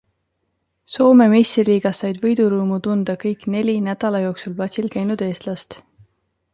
Soome meistriliigas said võidurõõmu tunda kõik neli nädala jooksul platsil käinud eestlast.